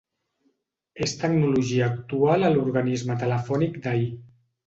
És tecnologia actual a l'organisme telefònic d'ahir.